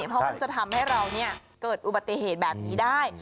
เพราะมันจะทำให้เราเกิดอุบัติเหตุแบบนี้ได้